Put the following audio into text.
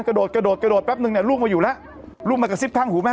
กระโดดแป๊บหนึ่งเนี่ยลูกมาอยู่แล้วลูกมากระซิบข้างหูแม่